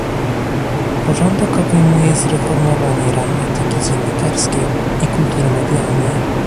Porządek obejmuje zreformowanie ram etyki dziennikarskiej i kultury medialnej